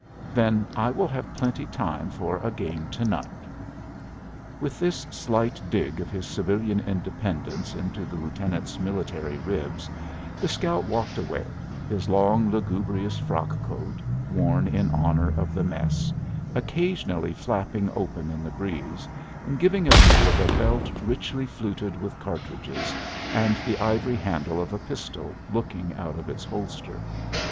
"Then I will have plenty time for a game to night." With this slight dig of his civilian independence into the lieutenant's military ribs, the scout walked away, his long, lugubrious frockcoat (worn in honor of the mess) occasionally flapping open in the breeze, and giving a view of a belt richly fluted with cartridges, and the ivory handle of a pistol looking out of its holster.